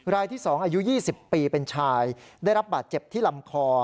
รายที่๒อายุ๒๐ปีเป็นชายได้รับบาดเจ็บที่ลำคอ